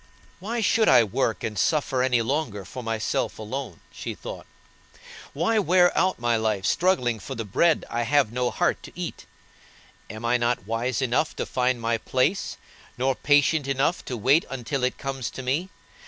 "Why should I work and suffer any longer for myself alone?" she thought; "why wear out my life struggling for the bread I have no heart to eat? I am not wise enough to find my place, nor patient enough to wait until it comes to me.